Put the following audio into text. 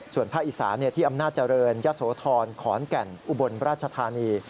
ส่วนภาคอีสานที่อำนาจเจริญยะโสธรขอนแก่นอุบลราชธานี